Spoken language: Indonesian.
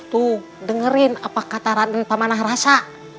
tuh dengerin apa kata paman naharasa